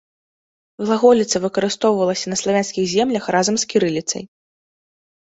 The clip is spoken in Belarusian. Глаголіца выкарыстоўвалася на славянскіх землях разам з кірыліцай.